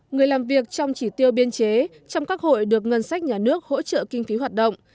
người làm việc trong chỉ tiêu biên chế trong các hội được ngân sách nhà nước hỗ trợ kinh phí hoạt động